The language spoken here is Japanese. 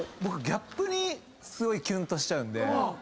僕ギャップにすごいキュンとしちゃうんで。